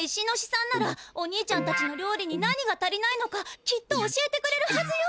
さんならお兄ちゃんたちの料理に何が足りないのかきっと教えてくれるはずよ。